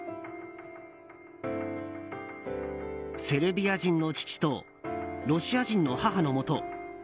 セルビア人の父とロシア人の母のもと